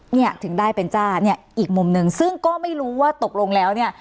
เนี่ยถึงได้เป็นจ้าเนี่ยอีกมุมหนึ่งซึ่งก็ไม่รู้ว่าตกลงแล้วเนี่ย